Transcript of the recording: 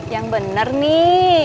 yang bener nih